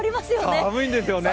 寒いんですよね。